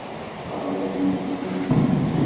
Tḥeqqeɣ dakken ad teddu zik.